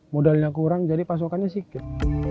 modalnya kurang jadi pasokannya sikit